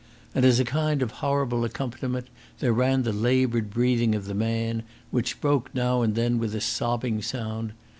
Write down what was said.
And as a kind of horrible accompaniment there ran the laboured breathing of the man, which broke now and then with a sobbing sound.